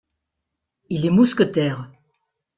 Il est mousquetaire.